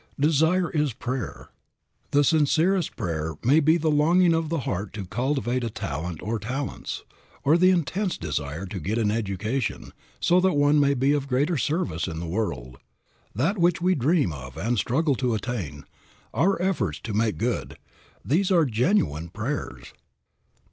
Desire is prayer. The sincerest prayer may be the longing of the heart to cultivate a talent or talents, or the intense desire to get an education so that one may be of greater service in the world. That which we dream of and struggle to attain, our efforts to make good; these are genuine prayers.